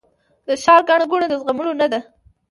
د ښار ګڼه ګوڼه د زغملو نه ده